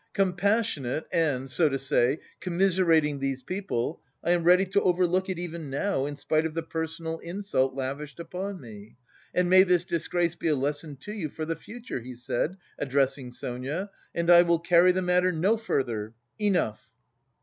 Compassionate and, so to say, commiserating these people, I am ready to overlook it even now in spite of the personal insult lavished upon me! And may this disgrace be a lesson to you for the future," he said, addressing Sonia, "and I will carry the matter no further. Enough!"